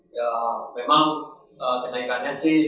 ya memang kenaikannya sih